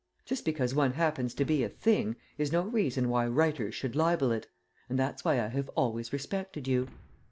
Just because one happens to be a thing is no reason why writers should libel it, and that's why I have always respected you.